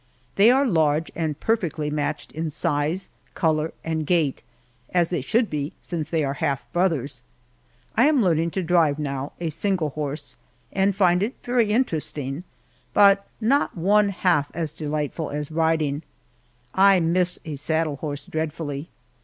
They are large, and perfectly matched in size, color, and gait, as they should be, since they are half brothers. I am learning to drive now, a single horse, and find it very interesting but not one half as delightful as riding I miss a saddle horse dreadfully.